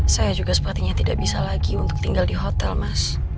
saya juga sepertinya tidak bisa lagi untuk tinggal di hotel mas